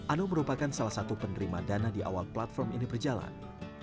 ano merupakan salah satu penerima dana di awal platform ini berjalan